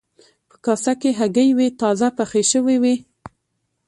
په کاسه کې هګۍ وې تازه پخې شوې وې.